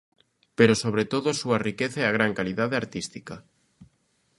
Pero sobre todo a súa riqueza é a gran calidade artística.